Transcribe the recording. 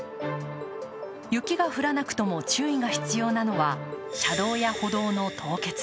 雪が降らなくとも注意が必要なのは、車道や歩道の凍結。